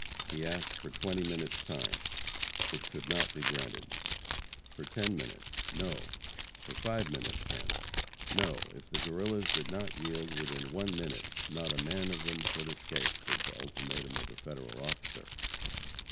He asked for twenty minutes time. It could not be granted. For ten minutes. No. For five minutes then. No, if the Guerrillas did not yield within one minute, not a man of them should escape, was the ultimatum of the Federal officer.